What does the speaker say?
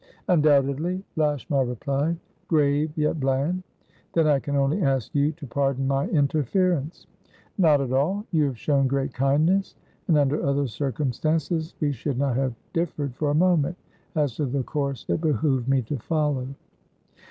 "Undoubtedly," Lashmar replied, grave yet bland. "Then I can only ask you to pardon my interference." "Not at all. You have shown great kindness, and, under other circumstances, we should not have differed for a moment as to the course it behooved me to follow."